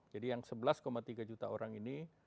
jadi yang sebelas tiga juta orang ini